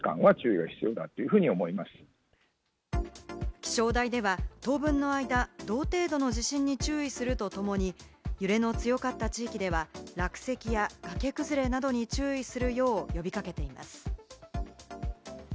気象台では当分の間、同程度の地震に注意するとともに、揺れの強かった地域では落石や崖崩れなどに注意するよう呼びかけています。